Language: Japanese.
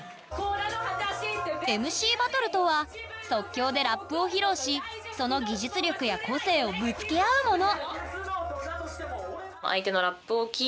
ＭＣバトルとは即興でラップを披露しその技術力や個性をぶつけ合うもの